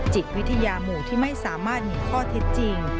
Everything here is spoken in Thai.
จิตวิทยาหมู่ที่ไม่สามารถมีข้อเท็จจริง